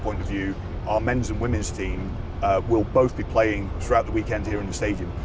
tim wanita dan tim menenang akan bergantung di akhir pekan terakhir di luar tanah